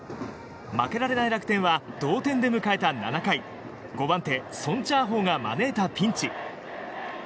負けられない楽天は同点で迎えた７回５番手、ソン・チャーホウが招いたピンチ。